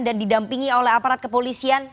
dan didampingi oleh aparat kepolisian